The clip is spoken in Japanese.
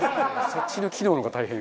そっちの機能の方が大変。